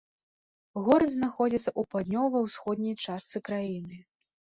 Горад знаходзіцца ў паўднёва-ўсходняй частцы краіны.